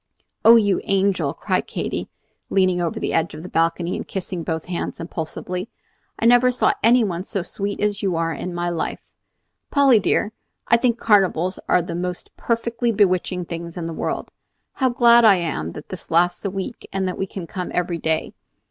"Oh, you angel!" cried Katy, leaning over the edge of the balcony and kissing both hands impulsively, "I never saw any one so sweet as you are in my life. Polly dear, I think carnivals are the most perfectly bewitching things in the world. How glad I am that this lasts a week, and that we can come every day.